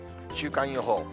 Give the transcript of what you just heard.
週間予報。